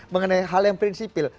mengenai hal yang prinsipil